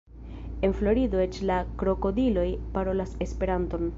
En Florido eĉ la krokodiloj parolas Esperanton!